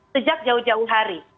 sejak jauh jauh hari